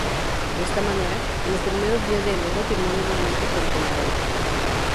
De esta manera, en los primeros días de enero firmó nuevamente con Peñarol.